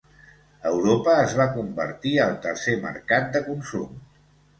Europa es va convertir al tercer mercat de consum.